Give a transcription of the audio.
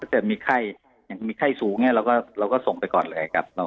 จะมีไข้อย่างมีไข้สูงเราก็ส่งไปก่อนเลยครับ